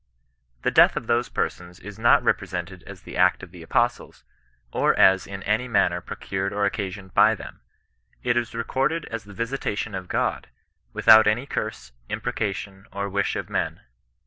— The death of those persons is not repre sented as the act of the apostles, or as in any manner procured or occasioned by them. It is recorded as the visitation of Gk>d, without any curse, imprecation, or wish of men.